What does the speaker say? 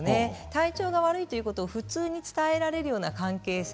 体調が悪いということを普通に伝えられるような関係性